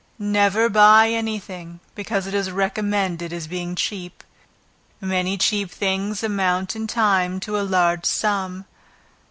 Never buy any thing because it is recommended as being cheap; many cheap things amount in time to a large sum.